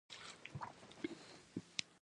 لومړی ډول یې ملي حاکمیت ته ویل کیږي.